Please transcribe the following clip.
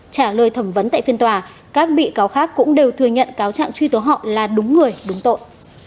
trả lời thẩm vấn tại phiên tòa các bị cáo khác cũng đều thừa nhận cáo trạng truy tố họ là đúng người đúng tội